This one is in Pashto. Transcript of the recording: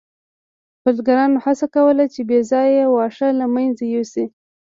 بزګرانو هڅه کوله چې بې ځایه واښه له منځه یوسي.